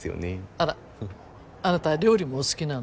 あらあなた料理もお好きなの？